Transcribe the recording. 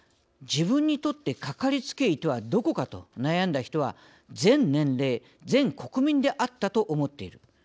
自分にとってかかりつけ医とはどこかと悩んだ人は全年齢全国民であったと思っている」。